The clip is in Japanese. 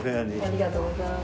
ありがとうございます。